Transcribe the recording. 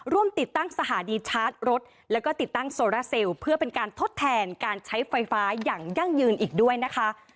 ติดตั้งสถานีชาร์จรถแล้วก็ติดตั้งโซราเซลเพื่อเป็นการทดแทนการใช้ไฟฟ้าอย่างยั่งยืนอีกด้วยนะคะ